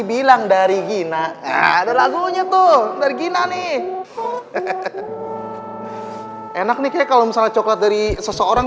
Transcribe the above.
bilang dari gina ada lagunya tuh dari gina nih enak nih kayak kalau misalnya coklat dari seseorang